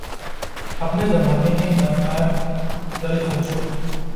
۔ اپنے زمانہ میں نادرالوجود اور بلند مرتبہ بزرگ تھے